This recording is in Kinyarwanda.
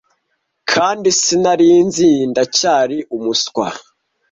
kandi sinari nzi ndacyari umuswa